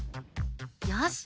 よし！